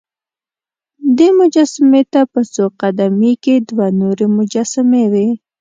دې مجسمې ته په څو قد مې کې دوه نورې مجسمې وې.